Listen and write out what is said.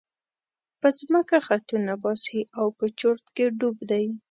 په ځمکه خطونه باسي او په چورت کې ډوب دی.